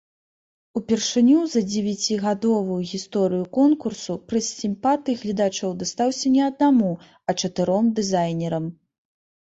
Упершыню за дзевяцігадовую гісторыю конкурсу прыз сімпатый гледачоў дастаўся не аднаму, а чатыром дызайнерам.